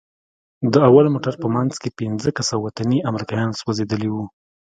د اول موټر په منځ کښې پينځه کسه وطني امريکايان سوځېدلي وو.